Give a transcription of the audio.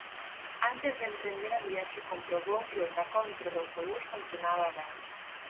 Antes de emprender a viaxe comprobou que o tacómetro do autobús funcionaba ben.